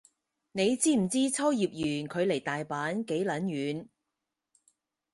你知唔知秋葉原距離大阪幾撚遠